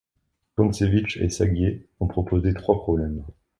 Kontsevich et Zagier ont posé trois problèmes.